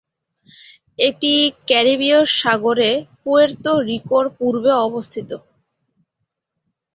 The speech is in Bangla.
এটি ক্যারিবীয় সাগরে পুয়ের্তো রিকোর পূর্বে অবস্থিত।